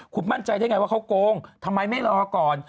คุณมั่นใจได้ไงว่าเขาโกงทำไมไม่รอก่อน